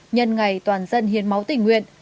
nhân ngày toàn dân hiến máu tỉnh nguyện